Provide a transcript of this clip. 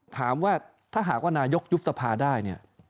ถามว่าถ้าหากว่านายกยุบสภาได้เนี่ย